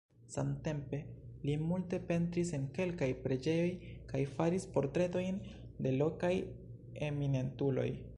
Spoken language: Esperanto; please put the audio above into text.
Samtempe li multe pentris en kelkaj preĝejoj kaj faris portretojn de lokaj eminentuloj.